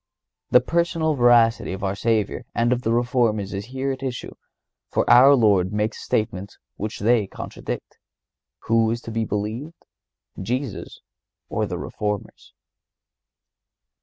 The personal veracity of our Savior and of the Reformers is here at issue, for our Lord makes a statement which they contradict. Who is to be believed, Jesus or the Reformers?